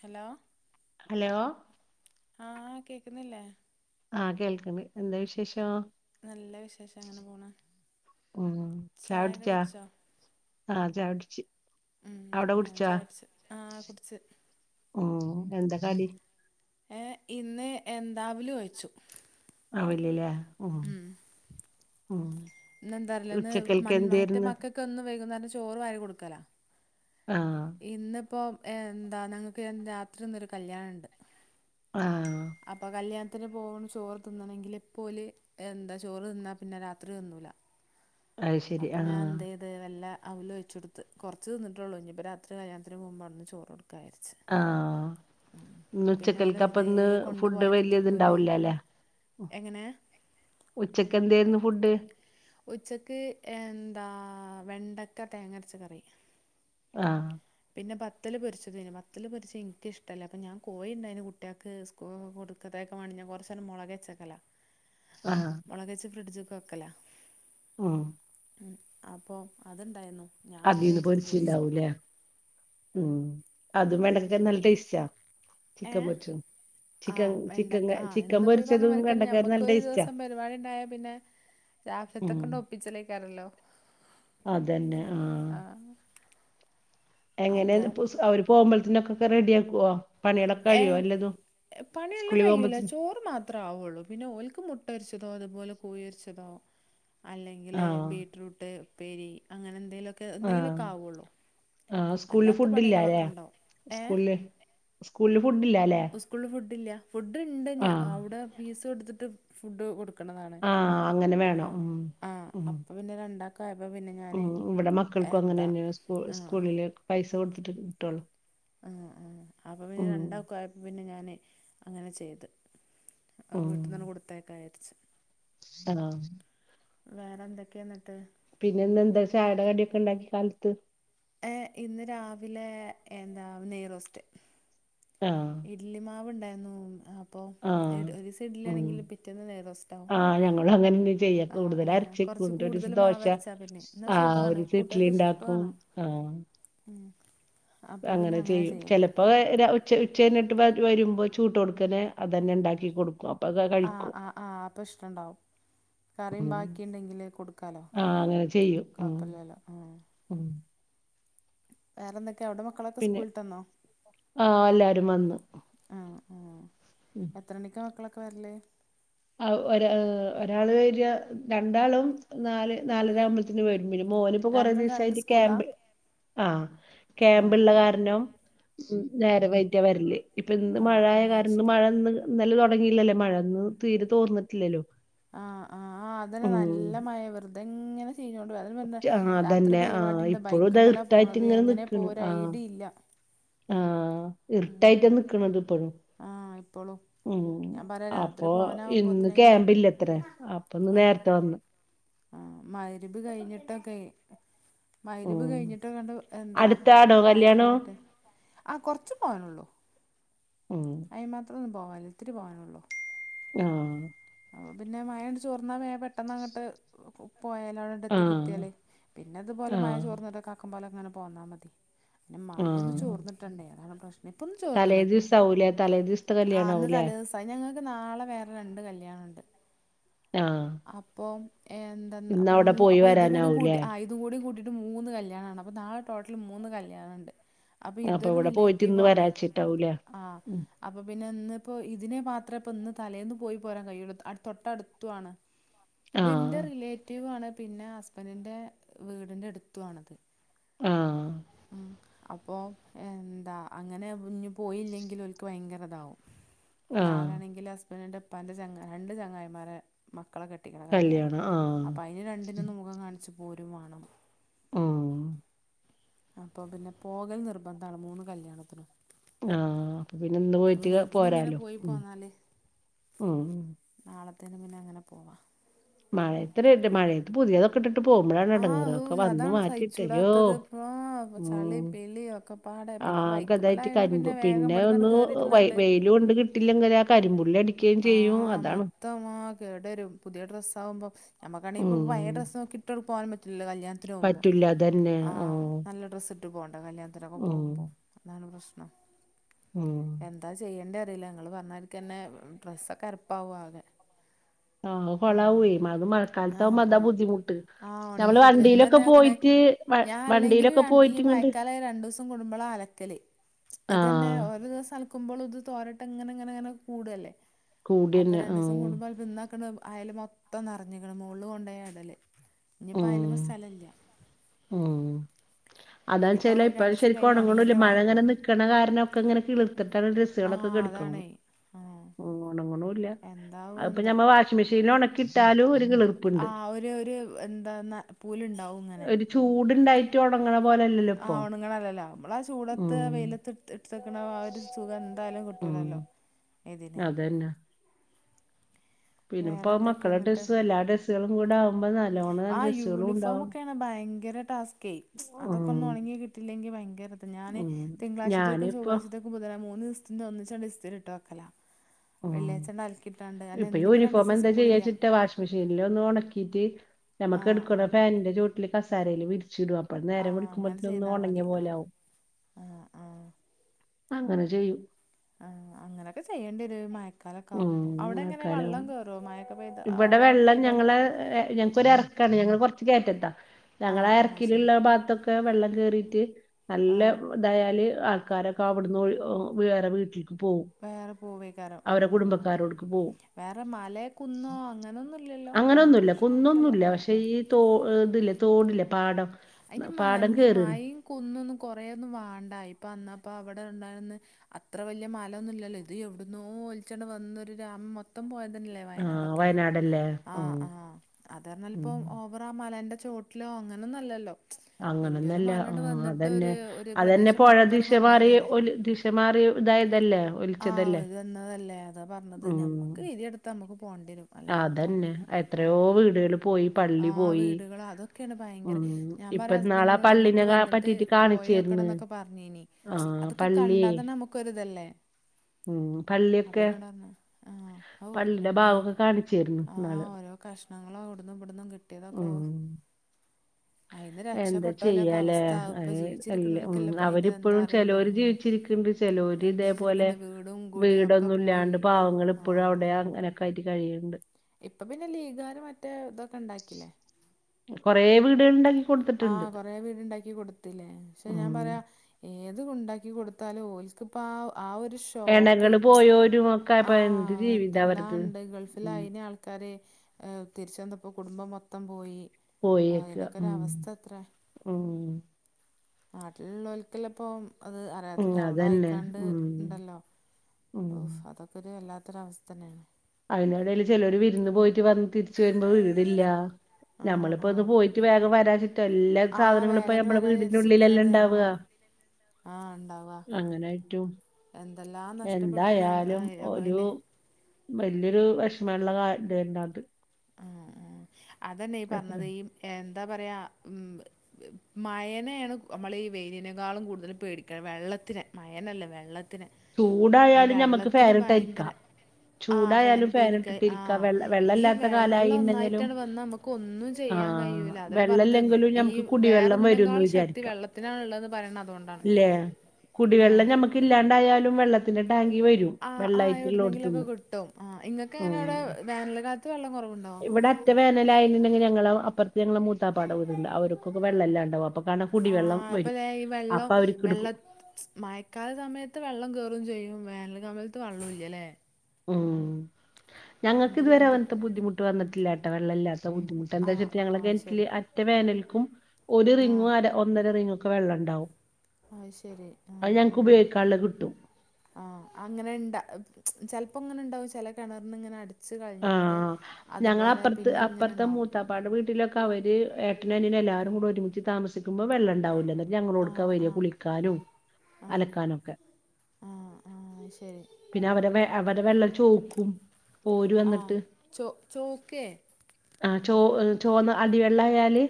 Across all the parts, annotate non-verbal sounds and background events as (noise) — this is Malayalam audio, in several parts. ഹലോ. അലോ. ആ കേക്കുന്നില്ലേ. ആ കേൾക്കണ് എന്താ വിശേഷോ? നല്ല വിശേഷ അങ്ങനെ പോണ് ഉം ചായൊക്കെ കുടിച്ചോ? അതെ ചായടിച്ച ആ ഞാൻ ചായട്ച്ച് ആ കുട്ച്ച്. മ് എന്താ കടി? ഏ ഇന്ന് എന്താ അവല്കൊഴച്ചു. അവ്ൽല്ലേ ഹ് ആഹ് ഇന്ന്ന്താറീലന്ന് മൻ മറ്റേ മക്കക്കെന്നും വൈകുന്നേരം ചോറ് വാരി കൊട്ക്കല. ആ. ഇന്ന്പ്പോ എന്താ ന്നങ്ങക്ക് രാത്രിന്നൊരു കല്യാണ ഇണ്ട്. ആ. അപ്പോകല്യാണത്തിന് പോവും ചോറ് തിന്നണങ്കി അപ്പോല്. എന്താ ചോറ് തിന്നാ പിന്നെ രാത്രിതിന്നൂല. അത് ശരി അപ്പൊ ഞാൻ ആഹ് എന്തെയ് ത് വെല്ല അവല് കൊഴ്ച്ചോട്ത്ത് കെർച്ച് തിന്ന്ട്ടൊള്ളൂ ഇനി ഇപ്പം രാത്രി കല്ല്യാണത്തിന് പോവുമ്പോ അവ്ട്ന്ന്ചോറോട് ആഹ് (unintelligible) ഇന്ന് പിന്നെ ഓലെ ഉച്ചക്കൽക്ക് അപ്പ വെർതെ ഇന്ന് കൊണ്ട് ഫുഡ് പോയാലും വലിയ തിന്നൂലേ. ഇത്ണ്ടാവില്ല അല്ലേ എങ്ങനെ? ഉച്ചക്കെന്തെര്ന്നു ഫുഡ്? ഉച്ചക്ക് എന്താ വെണ്ടക്ക തേങ്ങരച്ച കറി. ആ. പിന്നെ ബത്തല് പൊര്ച്ചതെന്നു ബത്തല്ല് പൊരിച്ച് ഇൻക്ക് ഇഷ്ടല്ല അപ്പൊ ഞാൻ കോഴിണ്ടായിനു കുട്ടിയാക്ക് സ് ഓ കൊടുക്കതെക്കാവേണ്ടി ഞാൻ കൊറച്ചേരം മോളഗേച്ചക്കല. (inaudible) മോളഗേച്ച് ഫ്രിഡ്ജ്ക്ക് വെക്കല. ആഹ ഉം അപ്പൊ അത്ണ്ടായിരുന്നു അതിന്ന് പൊരിച്ചുണ്ടാക്കുലെ ഉം അതും വെണ്ടക്കൊക്കെ നല്ല ടെസ്റ്റാ ചിക്കൻ പൊരിച്ചതും ചിക്കൻ ആഹ് ചിക്കൻ വെണ്ടക്ക ആഹ ചിക്കൻ ഇന്നിപ്പോ ഈ പറഞ്ഞ മരിക്കന്നെ കണ്ടക്കാരും നമ്മക്ക് നല്ല ഒരു ടേസ്റ്റാ ദിവസം പരിപാടി ഉണ്ടായ പിന്നെ ഉം രാത്രിത്തേക്ക് ഒപ്പിച്ചലേക്കാരല്ലോ അതെന്നെ ആഹ്. ആ എങ്ങനെ അപ്പോൾ പ്പുസ് അവര് പോവുമ്പൾതിനൊക്കെക്കെ റെഡിയാക്കോ? ഏഹ്, ഏ പണിയെല്ലം സ്കൂളിൽ കയ്യൂലാ പോകുമ്പോത്തിന് ചോർ ത് മാത്രേ ആവൊള്ളൂ. പിന്നെ ഓൽക്ക് മുട്ടൊര്ച്ചതോ അത്പോലെ കോയൊര്ച്ചതോ അല്ലെങ്കില് ആഹ് ബീറ്റ്റൂട്ട് പ്പേരി അങ്ങനെ ന്തെലൊക്കെ ആഹ് എന്തെങ്കിലൊക്കെ ആവൊള്ളൂ. ആഹ്, സ്കൂൾല് ഫുഡില്ല്യ ല്ലെ? ഉണ്ടാവും ഏ സ്കൂൾല് സ്കൂൾല് ഫുഡില്ല്യ ല്ലെ? കൂളിൽ ഫുഡ് ഇല്ല്യ. ഫുഡ് ണ്ട് ഞാ അവ്ടെ ഫീസൊട്ത്ത്ട്ട് ഫുഡ് കൊട്ക്കും. (unintelligible) താണ്. ആഹ് അങ്ങനെ വേണം അഹ് ഉം അഹ് അപ്പൊ പിന്നെ രണ്ടാക്കായപ്പൊ പിന്നെ ഞാ ഉ ഇവിടെ മക്കൾക്കും അങ്ങനെ തന്നെയ സ്കു ആ സ്കൂളില് പൈസ കൊടുത്തിട്ട് കിട്ടുവുള്ളൂ ആഹ്, ആഹ് അപ്പൊപിന്നെ രണ്ടാക്കു ആയപ്പോ പിന്നെ ഞാനെ അങ്ങനെ ചെയ്ത്. ആഹ്, ഉം വീട്ടിന്നെന്നെ കൊടുത്തയക്കായാര്ച്ച്. ആഹ്. വേറെന്തെക്കെന്നട്ട്? പിന്നെന്നെന്താ ചായെടെ കട്യൊക്കെണ്ടാക്കി കാൽത്ത്. ഏഹ്, ഇന്ന് രാവിലെ എന്താ നെയ്റോസ്റ്റ്. ആഹ്. ഇഡ്ലി മാവ്ണ്ടായിരുന്നൂ അപ്പൊ ആഹ് ഇഡ് ഒരീസം ഇഡ്ലി ആണെങ്കിൽ പിറ്റേന്ന് നെയ്റോസ്താവും. ളങ്ങനെന്നെ (unintelligible) ചെയ കൂടുതലരച്ചക്കും കുറച്ച് കൂടുതൽ ന്നട്ടൊരുസം മാവ് ദോഷ അരച്ചാ പിന്നെ എന്നാ ആഹ് സുഖമാണ് ഒരുസം കുട്ടികൾക്ക് ഇഡ്ലിണ്ടാക്കും ഇഷ്ടമാണ് ആഹ് ഉം. അപ്പൊ പിന്നെ അങ്ങനെ ചെയ്യും. ചെയ്യല് ചെല അപ്പൊ എ ഒര് ഉച്ച ഉച്ചര്ഞ്ഞിട്ട് വര് വരുമ്പോൾ ചൂടൊട്ക്കനെ അതെന്നെ ണ്ടാക്കി കൊടുക്കും അ ആഹ്, ആഹ്, ആഹ്, അപ്പഷ്ടണ്ടാവും. കറിം ഉം ബാക്കിണ്ടെങ്കില് കൊട്ക്കാലോ. ആഹ് അങ്ങനെ ചെയ്യും ഉം കൊഴപല്യാലോ ആഹ്. ഉം. വേറെന്തൊക്കെ അവ്ടെ മക്കളൊക്കെ പിന്നെ സ്കൂൾട്ടന്നോ? ആഹ് എല്ലാരും വന്ന് ആഹ് ആഹ്. ഉം. എത്രണിക്കാ മക്കളൊക്കെ വെര്ല്? ഒ ഒരാ അ് ഒരാള് വെര രണ്ടാളും നാല് നാലരാവുമ്പോൾത്തിന് വെരും. (unintelligible) മോന്പ്പൊ കൊറേ രണ്ടും രണ്ട് ദിവ്സായിട്ട് സ്കൂളാ കേമ്പ് ആഹ് ആഹ് കേമ്പ്ള്ള ആഹ് കാര്നം ഉം, നേരം വൈറ്റ വെര്ല്. ഇപ്പൊ ഇന്ന് ആഹ് മഴായ ആഹ് അത് കാരണം ന്ന് ശരി മഴ ന്ന് ഇന്നലെ തൊടങ്ങിയില്ലല്ലേ മഴ. ഇന്ന് തീരെ തേർന്നിട്ട്ല്ല്യല്ലോ. ആഹ് ആഹ് ഹാ അതന്നെ നല്ല മയ വെർതെങ്ങനെ ചീഞ്ഞോണ്ട് ആഹ് (unintelligible) രാത്രി അതന്നെ ആഹ് പെരിപാടിണ്ട്. ഇപ്പോഴും ഇതാ ബൈക്ക്മ്മലാ ഇർട്ടായിട്ട് പോണത്. ഇങ്ങനെ എങ്ങനെ നിക്കണ് പോവ ആഹ് ഒരൈഡില്ല. ആഹ്, ഇറ്ട്ടായിട്ടാനിക്ക്ണത് ഇപ്പഴും. ആഹ്, ഇപ്പളും. ഉം. ഞാൻ പറയാ രാത്രി അപ്പൊ ഇന്ന് പോവാനാവുമ്പോത്തിനെങ്കിലും ക്യാമ്പില്ലെത്രേ അപ്പൊന്ന് ആഹ് നേര്ത്തെ വന്ന്. ആഹ്, മഗ്‌രിബ് കയ്ഞ്ഞിട്ടൊക്കെയ് മഗ്‌രിബ് ഉം കയ്ഞ്ഞിട്ട് കണ്ട് എന്താ അടുത്താണോ മയ കല്യാണം ചോർന്ന്ട്ട് ആഹ് കൊറ്ച്ച് പോവാനൊള്ളൂ. ഉം അയിന് മാത്രൊന്നും പോവാനില്ല ത്തിരി പോവാനൊള്ളൂ ആഹ്. ഓഹ്, പിന്നെ മയാണ്ട്ചോർന്നാ വേം പെട്ടന്നങ്ങട്ട് അ് അ് പോയാലവടെ എത്തി ആഹ് കിട്ട്യാല് പിന്നെത്പോലെ മയ ആഹ് ചോർന്നതാക്കംപോലെങ്ങനെ പോന്നാ മതി. ന്ന മഴൊന്ന് ആഹ് ചോർന്ന്ട്ടണ്ടേ. അതാണ് പ്രശ്നേ, ഇപ്പൊന്ന് തലേ ചോർന്ന്ണ്. ദിവസാവൂലേ തലേ ദിവസത്തെ ആഹ് ന്ന് കല്യാണാവൂലേ തലേസ് അഅ് ഞങ്ങക്ക് നാളെ വേറെ രണ്ട് കല്ല്യാണണ്ട്. ആഹ്, അപ്പം ഏന്തന്ന്അപ്പം ഇന്നവിടെ മു പോയി അപ്പൊതും കൂടി വരാനാവൂലേ കൂട്ടി ആയി തുംകൂടി കൂട്ടിട്ട് മൂന്ന് കല്ല്യാണാണ്. അപ്പോ നാളെ ടോട്ടല് മൂന്ന് കല്ല്യാണണ്ട്. അപ്പൊ ഇതൊരു ഇവിടെ പോയിട്ട് ഇന്ന് റിലേറ്റീവാണ്. വരാച്ചിട്ടാവൂലേ ആഹ് അപ്പൊ പിന്നെ ന്ന്പ്പോ ഇതിനെ മാത്രപ്പന്ന് തലേന്ന് പോയി പോരാൻ കൈയൊള്ളു തൊട്ടട്ത്തു ആണ്. ത് ന്റെ ആഹ് റിലേറ്റീവ് ആണ് പിന്നെ ഹസ്ബന്റി ന്റെ വീടിന്റെ അടുത്തു ആണത് ആഹ് ഉമ് അപ്പൊ എന്താ അങ്ങനെ ഇഞ്ഞ് പോയില്ലെങ്കിലും ഒല്ക്ക് ഭയങ്കര ഇതാവും ആഹ് നാളൊണെങ്കിൽ ഹസ്ബന്റിന്റെ പ്പാന്റെ രണ്ട് ചങ്ങായിമാരെ മക്കളെ കെട്ട് ട്ടിക്ക്ണ കല്യാണം അപ്പ അതിന് രണ്ടിനും മുഖം കാണിച്ച് പോരും വാണം ഓഹ് അപ്പൊ പിന്നെ പോകൽ നിർബന്താണ് മൂന്ന് കല്യാണത്തിനും ആഹ് അപ്പൊ പിന്നെ ഇന്ന് അപ്പോൾ പോയിട്ട് പിന്നെ ഇതിനിങ്ങനെ പോരാലോ പോയി ഉമ് പോന്നാൽ ഉമ് നാളത്തേന് പിന്നെ അങ്ങനെ പോവാ മഴത്രി മഴെ പുതിയതൊക്കെ ഇട്ടിട്ട് പോകുമ്പോഴാണ് ആ എടങ്ങേറ് ഹൂ വന്ന് അതാണ് മാറ്റിട്ടരോ സഹിച്ചൂടാത്തത് ഇപ്പോൾ ചളി ഉമ് പിളി ഒക്കെ പാടെ പിന്നെ ആഹ് ഗതായിട്ട് ബൈക്കുമ്മലായതുകൊണ്ട് കരിമ്പ് വേഗം പിന്നെ ഇവിടെ നിന്ന് ഒന്ന് കയറി വയ് ഇരുന്നാണ്ട് (unintelligible) കിട്ടില്ലെങ്കിൽ ആ കരിമ്പുള്ള അടി ആഹ് മൊത്തമാ കേടരും പുതിയ ഡ്രെസ്സ ആകുമ്പം നമുക്കാണെങ്കിൽ ഇപ്പം പയ ഉം ഡ്രസ്സ ക്കിട്ടൊക്കെ പോകാൻ പറ്റില്ലല്ലോ കല്യാണത്തിന് പോകുമ്പോൾ പറ്റൂല അതന്നെ ആഹ് നല്ല ഡ്രസ്സ് ഇട്ട് പോകേണ്ട കല്യാണത്തിനൊക്കെ ഉം പോകുമ്പോൾ അതാണ് പ്രശ്നം ഓഹ് എന്താ ചെയ്യെണ്ട അറിയില്ല ങ്ങൾ പറഞ്ഞാരിക്കന്നെ ഡ്രസ്സൊക്കെ എരപ്പാവും ആകെ ആഹ് കൊളാവേ അത് മഴക്കാലത്ത ആഹ് ആകുമ്പോ അതാ ആഹ് ബുദ്ധിമുട്ട് ആഹ് ഒണങ്ങി നമ്മള് കിട്ടൂല വണ്ടിയിലൊക്കെ ഇന്നന്നെ ആക്കണേ പോയിട്ട് വ ഞാൻ അല്ലെങ്കിലും വണ്ടിയിലൊക്കെ ഈ പോയിട്ട് ഞാ ഇങ്ങണ്ട് മയക്കാലായി രണ്ടുസം കുടുംബള അലക്കല് ഇത്ന്നെ ആഹ് ഓരോ ദിവസ അലക്കുമ്പോള് ഇത് തോരട്ടങ്ങനെ ങ്ങനെ കൂടല്ലേ അപ്പൊ കൂടിയന്നെ രണ്ടു ദിവസം ആഹ് കൂടുമ്പോ പിന്നാക്ക അയല് മൊത്തം നെറഞ്ഞ്ക്കണ് മോള് കൊണ്ട ഇടല് ഞ്ഞിപ്പം ഉം അയ്ല്മ സ്ഥലല്ല ഇഞ്ഞിപ്പോ അതാച്ചാല് ഇപ്പയ് രണ്ടീസം ശരിക്കും കഴിഞ്ഞ് ഒണങ്ങുണുല്ല ഒണങ്ങീട്ട് മഴ വേണം ഇങ്ങനെ നിക്ക്ണ കാരണം മക്കെ ഇങ്ങനെ കീളർത്തിട്ടാണ് തിസ് ആഹ് (unintelligible) അതാണേ ആഹ് ഒണങ്ങുണുല്ല എന്താവോ എന്തോ വാഷി മിഷീൻ ഉണക്കിട്ടാലും ഒരു ക് ആഹ് ഒരുര് എന്താന്ന് പൂല്ണ്ടാവും ങ്ങനെ ചൂട്ണ്ടായിട്ട് വാണം ഇങ്ങള പോലെല് ആ ഒണുങ്ങളല്ല ല്ലോ നമ്മളാ ചൂടത്ത് വെയിലത്ത് എട്തക്കണ ആ ഒരു സുഖം എന്തായാലും ഉം കിട്ടൂലല്ലോ ഇതിന് അതന്നെ ഇത് പ്പോ വേറെന്തൊക്കെയാ മക്കളെ ഡസ്സും എല്ലാ ഡസ്സും കൂടെ ആമ്പോ ന ആഹ് യൂണിഫോമൊക്കെയാണ് ഭയങ്കര ടാസ്കെ ഉം അതൊക്കെ ഒന്ന് ഉണങ്ങി കിട്ട് തില്ലങ്കിൽ ഭയങ്കര ദാ ഞാന് ഉം തിങ്കളാഴ്ചത്തേക്കും ഞാനിപ്പോ ചൊവ്വാത്തേക്കും നു തനെ മൂന്ന് ദിവസത്തി ഒന്നിചാണ്ട് ഇസ്തിരിട്ട് വക്കലാ ഉം വെള്ളിയഴ്ചാണ്ട അലക്കിട്ടാണ്ട് അന ഇനി ഇപ്പ രണ്ടിസം സ്കൂള് ല്ല മിഷീനിലൊന്ന് ഒണക്കിയിട്ട് ആ നമുക്ക് ആ ടക്കണ ഫാനിൻന്റെ ചുവട്ടില് കസാലീല്ൽ വിരിച്ച്ടുവാ പ്പോ ആ നേരെ അങ്ങനെ വളക്കുമ്പോത്തി ഒന്ന് ചെയ്താൽ ഒണങ്ങിയ മതി ആ പോലാവും ആ ആ അങ്ങനെ ചെയ്യൂ ആ അങ്ങനൊക്കെ ചെയ്യേണ്ടരു മഴക്കാലൊക്കെ ഉം ആകുമ്പോ അവിടെങ്ങനെ വെള്ളം മഴക്കാലാവുമ്പോ കേറോ മഴക് ഇവിടെ വെള്ളം ഞങ്ങള് ഞങ്ങക്കൊ റക്കാണ് ഞങ്ങള് കുറച്ച് കെറ്റതാ ആ ഞങ്ങളെ ആ ശരി എർക്ക്ലുള്ള ഭാഗത്തൊക്കെ വെള്ളം കേറീട്ട് ആ നല്ലവ് തായാല് ആൾക്കാരൊക്കെ അവിടുന്ന് ഒഴിവേറെ വീട്ടി പോവും വേറെ പോവേക്കാരം ഉം അവരുടെ ഉം കുടുംബക്കാരോടുക്ക് പോവും വേറെ മലോ കുന്നോ അങ്ങനൊന്നും ഇല്ലല്ലോ അങ്ങനത്തെ അങ്ങനൊന്നുല്ല. പ്രശ്നമൊന്നുമില്ലല്ലോ കുന്നൊന്നുല്ല. ആഹ് പക്ഷെ ആഹ് ഈ തോ ഇതില്ല തോടില്ല പാടം അതിന് പാടം മാലിന്യ കേറാണ്. മായയും കുന്നൊന്നും കൊറേയൊന്നും വാണ്ട ഇപ്പ അന്നപ്പ അവിടെ ഉണ്ടായിന്ന അത്ര വല്ല്യ മല ഒന്നു ഇല്ല ല്ലോ ഇത് എവിടുന്നു ഒലിച്ചുണ്ട് വന്നൊരു ഗ്രാമം മൊത്തം പോയതല്ലേ ആ വയനാടൊക്കെ വയനാടല്ലേ? ഉം ആഹ് ആഹ് അതഞ്ഞൽ ഉം. ഇപ്പോ അവർ ആ മലന്റെ ചോട്ടിലോ അങ്ങനെ ഒന്നും അല്ലല്ലോ വലിയൊരു അങ്ങനൊന്നല്ല. ആ മാലണ്ട് വന്നിട്ട് ഒരു അതന്നെ. ഒരു അതന്നെ പ്രദേശം പൊഴ മൊത്തം ദിശ അങ്ങോട്ട് മാറി കൊണ്ടായതല്ലേ ഒലി ദിശ മാറി ഇതായതല്ലേ ആഹ് ഒലിച്ചതല്ലേ? ഇത് വന്നതല്ലേ അതാ പറഞ്ഞത് ഉം. ഞമ്മക്ക് വിധി എടു ത്ത നമുക്ക് പോണ്ടിരും അതന്നെ എത്രയോ വീടുകൾ പോയി ആ പള്ളി പോയി വീടുകള് അതൊക്കെയാണ് ഭയങ്കര ഉം ഞാൻ ഇപ്പൊ പറയാ ഇന്നൾ ആ ഹസ്ബൻഡിനോട് പള്ളിനെ നമുക്ക് ക വന്നിട്ട് പറ്റിയിട്ട് പോയോക്കണം കാണിച്ചിരിന്ന് എന്നൊക്കെ ആഹ് പള്ളിയെ നമുക്കെരിതല്ലേ പള്ളിയൊക്കെ അപ്പനോടു പറഞ്ഞു ആഹ് ഔ എന്റെ പള്ളിയുടെ അമ്മ ഭാഗൊക്കെ കാണിച്ചേര്ന്ന് ഇന്നാള്. ആഹ് ഓരോ കഷ്ണങ്ങൾ അവിടും ഇവിടുന്നും കിട്ടിയതൊക്കെ ഓ ഉം. എന്താ രക്ഷപ്പെട്ടോലൊക്കെ ചെയ്യല്ലേ അവസ്ഥ ഇപ്പൊ എല്ല ഉ ജീവിച്ചിരിക്കണോൽക്കല്ലേ ഇപ്പൊ അയിന്റെ എന്താ അവരിപ്പോഴും അറിയുള്ളൂ ചിലർ ജീവിച്ചിരിക്കണ്ട് ചിലോരെ ഉം ഇതേപോലെ ജീവിച്ചിരിക്കണ്ട വീടും കുടിയും ഒക്കെ വീടൊന്നും പോയി ഇല്ലാണ്ട് പാവങ്ങൾ ആ ഇപ്പോഴും അവിടെ ആ അങ്ങനെ (unintelligible) കഴിയുണ്ട് ഇപ്പൊ പിന്നെ ലീഗാർ മറ്റേ ഇതൊക്കെ ഉണ്ടാക്കില്ലേ കൊറേ വീ ആ കൊറെ വീടുണ്ടാക്കി കൊടുത്തില്ലേ പക്ഷെ ഞാൻ ഉം പറയാ ഏത് ഉണ്ടാക്കി കൊടുത്താലും ഒല്ക്ക് ഇപ്പോ ആ ആ ഒരു ശു ഓക്കെ എണകള് പോയോരും ഒക്കെ ആ ആയപ്പോ എന്ത് ജീവിതാ അവരത് അതല്ലാണ്ട് ഗൾഫിൽ ഉം അയിന ആൾക്കാര് തിരിച്ച് വന്നപ്പോ കുടുംബം മൊത്തം പോയി പോയേക്കാ ഉം ഒരഅവസ്ഥ എത്ര ഉം നാട്ടിലുള്ളവക്കല്ല ഇപ്പ അത് ഉം അറിയാത്തത് അവിടെ അതന്നെ അയക്കാണ്ട് ഉം ഉണ്ടല്ലോ ഉം ഓ അതൊക്കെ ഒരു വല്ലാത്തൊരു അവസ്ഥ തന്നെയാണ് അതിനിടേൽ ചിലർ വിരുന്ന് പോയിട്ട് വന്ന് തിരിച്ച് വരുമ്പോ വീട് ഇല്ല ആഹ് നമ്മളിപ്പോ ഒന്ന് ആഹ് പോയിട്ട് വേഗം വരാജ് മറ്റ എല്ലാ ആഹ് സാധനങ്ങളും ഇപ്പ വേഗന്ന് നമ്മടെ വരാ വീടിന്റെ ഉളളിലല്ലെ വിചാരിച്ചിക്കണത് ഉണ്ടാവുക ആഹ് ആഹ് ഉണ്ടാവ അങ്ങനൊയിട്ടും എന്തെല്ലാം നഷ്ടപ്പെട്ടണ് എന്തായാലും ഒരു അയില് വലിയൊരു വിഷമുള്ള ഒരു ഇത് തന്നെ അത് ആഹ് ആഹ് അതെന്നെ ഈ അത്ര പറഞ്ഞത് ഈ എന്താ പറയാ മയനയാണ് നമ്മൾ ഈ വെയിനിക്കാളും കൂടുതലും പേടിക്കേണ്ട വെള്ളത്തിന് മയനല്ല വെള്ള ത്തിനെ ഈ ചൂടായാലും ഞമ്മക്ക് വെള്ളത്തിന് ഭയങ്കര ഫാനിട്ടരിക്കാം ആ ചൂടായാലും ഫാനിട്ടയിരിക്ക ആ ഫാനിട്ടിട്ടിരിക്കാ വെള്ള ഈ വെള്ളല്ലാത്ത വെള്ളം കാലായിണ്ടെങ്കിലും ഒന്നായിട്ടാണ് വന്ന നമുക്ക് ഒന്നും ചെയ്യാൻ ആഹ് കഴിയൂല്ല അതല്ല പറഞ്ഞത് വെള്ളല്ലെങ്കിലും ഈ ഞമ്മക്ക് വേറെ കുടിവെള്ളം വരുംന്ന് ഒന്നേകാല്‍ ശക്തി ത്തി വിചാരിക്കാം വെള്ളത്തിനാണ് ഉള്ളതെന്ന് പറയന്നത് അതുകൊണ്ടാണ് ഇല്ലേ? ആഹ് കുടിവെള്ളം നമ്മക്ക് ഇല്ലാണ്ടായാല് വെള്ളത്തിന്റെ ടാങ്കി വരും ആഹ് ആഹ് വെള്ളായിട്ടു എവിടുന്നെങ്കിലൊക്കെ ള്ളേടുത്തുന്ന് ഓ വേനൽ കാലത്ത് വെള്ള കുറവുണ്ടാ ഇവിടെ അറ്റ വേനലായിട്ടക്കി ഞങ്ങള്‍ അപ്പുറത്ത് ഞങ്ങള് മു ത്തപ്പാ എന്റെ വീട് ഉണ്ട് അവർക്കൊക്കെ വെള്ളം ഇല്ലാണ്ടാവും അപ്പ കാരണം കുടിവെള്ളം ആഹ് അപ്പൊ വരും ദേ ഈ അപ്പൊ അവർക്ക് എടുക്കും കാല സമയത്ത് വെള്ളം കയറും ചെയ്യും വേനൽ സമയത്ത് വെള്ളം ഇല്ലല്ലേ ഉം ഞങ്ങൾക്ക് എന്തൊരു ഇതുവരെ ബുദ്ധി അവനത്തെ ബുദ്ധിമുട്ട് വന്നിട്ടില്ല കേട്ടോ വെള്ളില്ലാത്ത ബുദ്ധിമുട്ട് ആഹ് എന്താച്ചിട്ട് ഞങ്ങളെ ആഹ് അത് ഗിണറ്റില് ശരി അറ്റ വേനൽക്കും ഒരു ആഹ് റിങ്ങും അര ഒന്നര റിംങ്ങൊക്കെ വെള്ളം ഉണ്ടാവും അത് ശരി അയ് ആഹ് ഞങ്ങക്ക് ആഹ് ഉപയോഗിക്കാനുള്ള കിട്ടും ആഹ് അങ്ങനെ ഇണ്ടാ ചിലപ്പോ അങ്ങനെ ഉണ്ടാവും ചില കിണറിന് ഇങ്ങനെ അടു വച്ച് കഴിഞ്ഞാൽ ആഹ് അതുപോലെ പിന്നെ ഇങ്ങനെ ഉണ്ടകും ത്തപ്പാട വീട്ടിലൊക്കെ അവര് ഏട്ടനും അനിയനും എല്ലാരും കൂടെ ഒരുമിച്ച് താമസി കുമ്പോ വെള്ളം ഉണ്ടാവൂല എന്നി ഞങ്ങളോടുക്ക ആഹ് വര്യ ആഹ് കുളിക്കാനും ആഹ് അലക്കാനും ഒക്കെ ആഹ് ആഹ് ശരി പിന്നെ അവടെ വ അവര്ടെ വെള്ളം ചോക്കും ഓര് ആഹ് വന്നിട്ട് ചോ ചോക്കെ ആ ചോ ചോന്ന അടിവെള്ളയാല്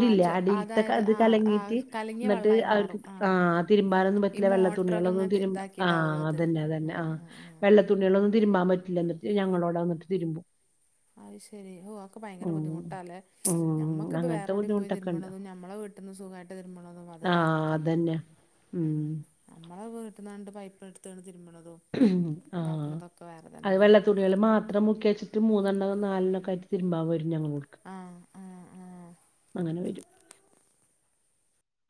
ആ ചൊ അടിൽത്തെ അതായത് അത് ആ ആ കലങ്ങീട്ട് കലങ്ങിയ ന്നട്ട് വെള്ളമായി അവർക്ക് മാറും ആ ആഹ് തിരുമ്പാനൊന്നും ഈ പറ്റില്ല മോട്ടറൊക്കെ വെള്ളത്തുണികളൊന്നും ഇങ്ങനെ തി തിരുമ്പ ഇതാക്കിയിട്ടാവും ആഹ് അത് അതന്നെ ആ അതന്നെ ആഹ് ആ ആ വെള്ളത്തുണിളൊന്നും തിരുമ്പാൻപറ്റില്ല എന്നിട്ട് ഞങ്ങളോടെ വന്നിട്ട് തിരുമ്പും അത് ശരി ഓ ആക്കെ ഭയങ്കര ഉം ബുദ്ധിമുട്ടാല്ലേ ഉം നമ്മക്കിപ്പോ വേറെ അങ്ങനത്തെ എവിടിം പോയി ബുദ്ധിമുട്ടൊക്കെ ഉണ്ട് തിരുമ്പണതും നമ്മളെവീ ട്ട്ന്ന് സുഖയിട്ട് തിരുമ്പ്ണതും അത് വേറെ ആഹ് തന്നെയാണ് അതന്നെ ഉം നമ്മള വീട്ട്ന്നാണ്ട് പൈപ്പ്ഇട്ത്താണ് തിര്മ്പ്ണതും ആഹ് അത് വെള്ളത്തു തുണിൾ മാത്രം മുക്യച്ചിട്ട് മൂന്നെണ്ണം നാലെണൊക്കായിറ്റ് തിരുമ്പാവരും ഞങ്ങളോട് ആ ആ ആ അങ്ങനെ വരും